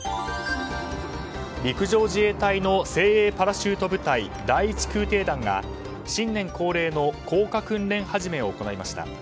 陸上自衛隊の精鋭パラシュート部隊第１空挺団が新年恒例の降下訓練始めを行いました。